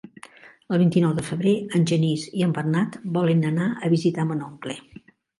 El vint-i-nou de febrer en Genís i en Bernat volen anar a visitar mon oncle.